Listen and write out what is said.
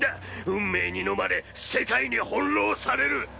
運命にのまれ世界に翻弄される！